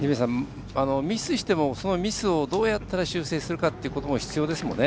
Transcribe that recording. ミスしてもそのミスをどうやって修正するかというのも必要ですもんね。